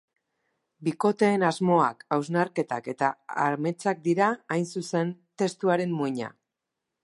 Bikoteen asmoak, hausnarketak eta ametsak dira, hain zuzen, testuaren muina.